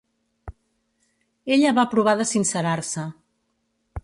Ella va provar de sincerar-se.